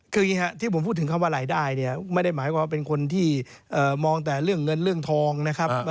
คืออย่างนี้ครับที่ผมพูดถึงคำว่ารายได้เนี่ยไม่ได้หมายความว่าเป็นคนที่มองแต่เรื่องเงินเรื่องทองนะครับ